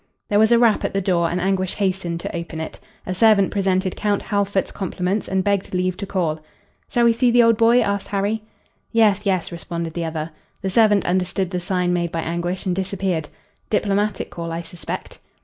There was a rap at the door and Anguish hastened to open it. A servant presented Count Halfort's compliments and begged leave to call. "Shall we see the old boy?" asked Harry. "Yes, yes," responded the other. The servant understood the sign made by Anguish and disappeared. "Diplomatic call, I suspect."